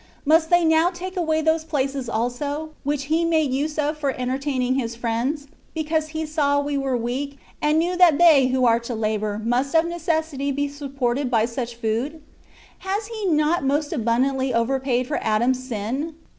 Must they now take away those places also, which He made use of for entertaining His friends, because he saw we were weak, and knew that they too are to labour must of necessity be supported by such food? Has He not most abundantly over paid for Adam^s sin